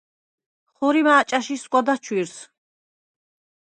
ხორიმა̄ ჭა̈შ ისგვა დაჩვირს?